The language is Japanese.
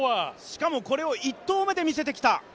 しかもこれを１投目で見せてきた。